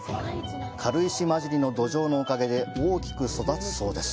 軽石混じりの土壌のおかげで大きく育つそうです。